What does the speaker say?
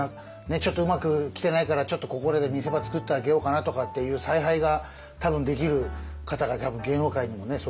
ちょっとうまく来てないからちょっとここらで見せ場作ってあげようかなとかっていう采配が多分できる方が芸能界にもねそういう先輩方いっぱいいるんで。